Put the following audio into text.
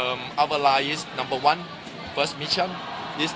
ไม่นะคุณคิดว่าคุณคิดเรื่องนี้ได้ไหม